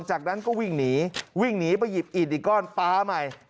จากนั้นก็วิ่งหนีวิ่งหนีไปหยิบอิตฯทิคลอีกก้อนปาร์ทใหม่